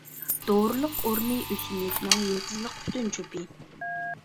دورىلىق ئورنى ئۆسۈملۈكنىڭ يىلتىزلىق پۈتۈن چۆپى.